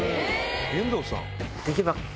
遠藤さん！